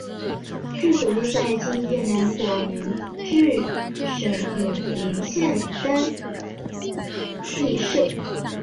治所约在今越南广治省永灵县丹裔社。